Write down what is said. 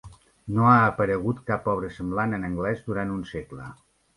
No ha aparegut cap obra semblant en anglès durant un segle.